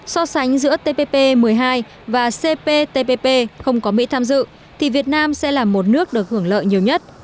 so sánh giữa tpp một mươi hai và cptpp không có mỹ tham dự thì việt nam sẽ là một nước được hưởng lợi nhiều nhất